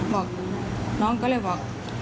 บอกน้องก็เลยบอก